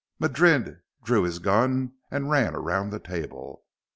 Madrid drew his gun and ran around the table.